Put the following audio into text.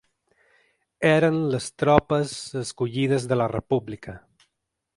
Eren les tropes escollides de la República.